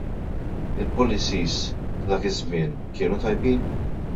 Il-policies ta' dak iż-żmien kienu tajbin?